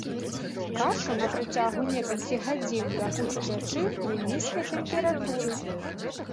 Кашу на працягу некалькіх гадзін пякуць у печы пры нізкай тэмпературы.